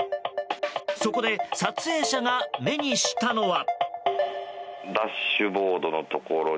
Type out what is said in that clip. そこで、撮影者が目にしたのは。